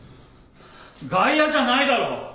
外野じゃないだろ！